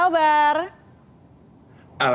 halo panji selamat sore apa kabar